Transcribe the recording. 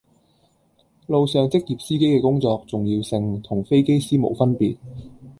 路上職業司機嘅工作重要性同飛機師冇分別